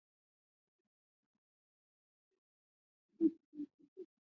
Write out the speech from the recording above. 浙江乡试第八十一名。